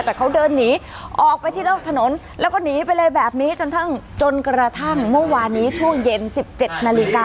แต่เขาเดินหนีออกไปที่นอกถนนแล้วก็หนีไปเลยแบบนี้จนจนกระทั่งเมื่อวานนี้ช่วงเย็น๑๗นาฬิกา